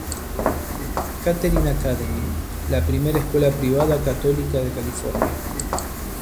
Catherine Academy", la primera escuela privada católica de California.